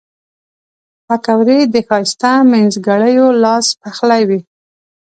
پکورې د ښایسته مینځګړیو لاس پخلي وي